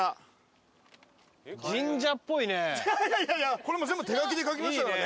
これも全部手書きで書きましたからね。